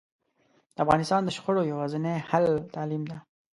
د افغانستان د شخړو یواځینی حل تعلیم ده